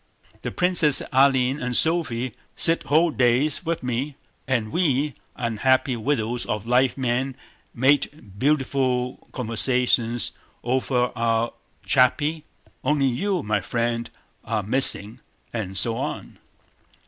The princesses Aline and Sophie sit whole days with me, and we, unhappy widows of live men, make beautiful conversations over our charpie, only you, my friend, are missing..." and so on.